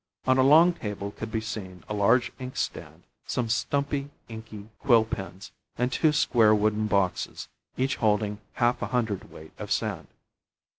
On a long table could be seen a large inkstand, some stumpy, inky quill pens, and two square wooden boxes, each holding half a hundred weight of sand.